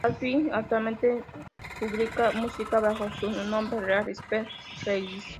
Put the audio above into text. Radcliffe Actualmente publica música bajo su nombre real, Spencer Radcliffe.